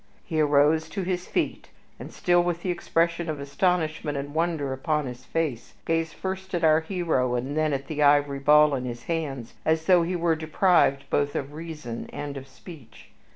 He arose to his feet and, still with the expression of astonishment and wonder upon his face, gazed first at our hero and then at the ivory ball in his hands, as though he were deprived both of reason and of speech.